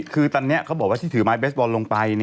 คือตอนนี้เขาบอกว่าที่ถือไม้เบสบอลลงไป